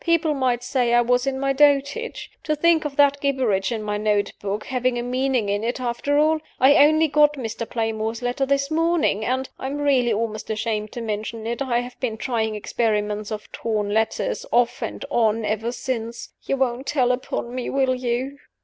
People might say I was in my dotage. To think of that gibberish in my note book having a meaning in it, after all! I only got Mr. Playmore's letter this morning; and I am really almost ashamed to mention it I have been trying experiments on torn letters, off and on, ever since. You won't tell upon me, will you?"